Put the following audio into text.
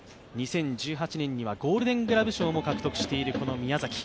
２０１８年にゴールデングラブ賞も獲得している宮崎。